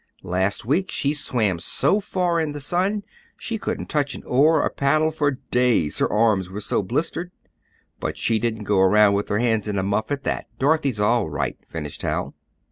Last week she swam so far in the sun she couldn't touch an oar or paddle for days, her arms were so blistered. But she didn't go around with her hands in a muff at that. Dorothy's all right," finished Hal.